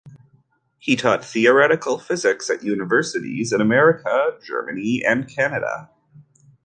He taught theoretical physics at universities in America, Germany and Canada.